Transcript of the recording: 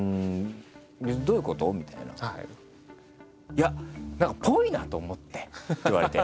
「いや何かぽいなと思って」って言われて。